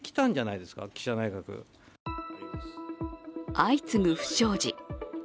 相次ぐ不祥事。